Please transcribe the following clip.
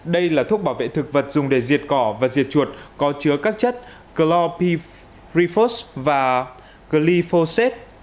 đây là thuốc bảo vệ thực vật dùng để diệt cỏ và diệt chuột có chứa các chất chlorpifos và glyphosate